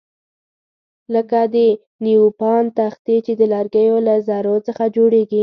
لکه د نیوپان تختې چې د لرګیو له ذرو څخه جوړیږي.